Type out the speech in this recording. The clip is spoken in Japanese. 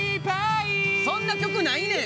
そんな曲ないねん！